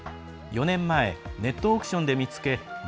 ４年前ネットオークションで見つけ